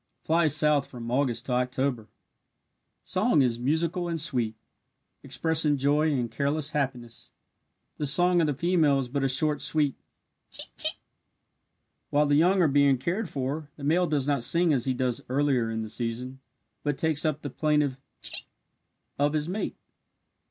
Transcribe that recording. Flies south from August to October. Song is most musical and sweet, expressing joy and careless happiness the song of the female is but a short, sweet "Chink, chink." While the young are being cared for, the male does not sing as he does earlier in the season, but takes up the plaintive "chink" of his mate.